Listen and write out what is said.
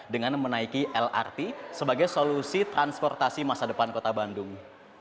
dengan menaiki lrt sebagai solusi transportasi masa depan kota bandung